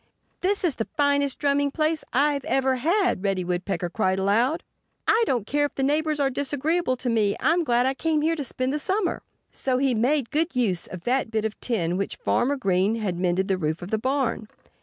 "This is the finest drumming place I've ever had!" Reddy Woodpecker cried aloud. "I don't care if the neighbors are disagreeable to me. I'm glad I came here to spend the summer." So he made good use of that bit of tin with which Farmer Green had mended the roof of the barn.